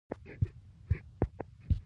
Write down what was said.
یو دوه ټیکسي والا رانږدې شول.